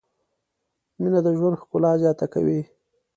مینه د ژوند ښکلا زیاته کوي.